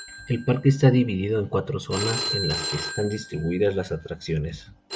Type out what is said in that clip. El parque está dividido en cuatro zonas, en las que están distribuidas las atracciones.